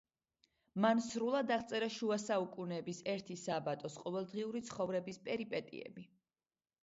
მან სრულად აღწერა შუა საუკუნეების ერთი სააბატოს ყოველდღიური ცხოვრების პერიპეტიები.